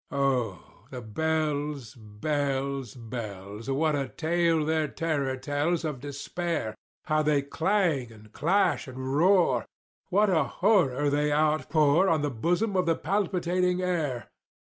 Oh, the bells, bells, bells! What a tale their terror tells Of Despair! How they clang, and clash, and roar! What a horror they outpour On the bosom of the palpitating air!